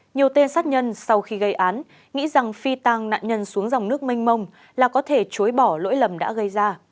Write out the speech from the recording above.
nhiều tên sát nhân sau khi gây án nghĩ rằng phi tăng nạn nhân xuống dòng nước mênh mông là có thể chối bỏ lỗi lầm đã gây ra